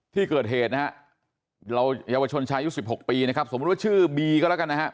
ที่เกิดเหตุนะฮะเราเยาวชนชายุ๑๖ปีนะครับสมมุติว่าชื่อบีก็แล้วกันนะฮะ